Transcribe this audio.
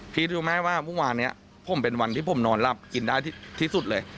พี่รู้ไหมว่าวันเนี้ยผมเป็นวันที่ผมนอนหลับกินได้ที่ที่สุดเลย